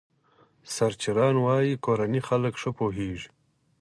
سرچران وايي کورني خلک ښه پوهېږي.